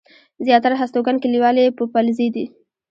زياتره هستوګن کلیوال يې پوپلزي دي.